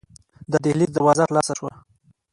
د دهلېز دروازه خلاصه شوه.